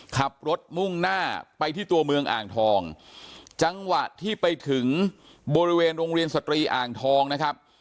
ขับรถมุ่งหน้าไปที่ตัวเมืองอ่างทองจังหวะที่ไปถึงบริเวณโรงเรียนสตรีอ่างทองนะครับ